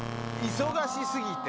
忙しすぎて。